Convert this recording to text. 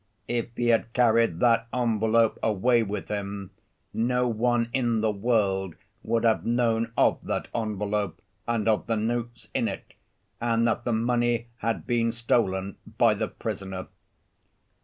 'If he had carried that envelope away with him, no one in the world would have known of that envelope and of the notes in it, and that the money had been stolen by the prisoner.